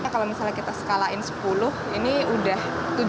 kalau misalnya kita skalain sepuluh ini sudah tujuh delapan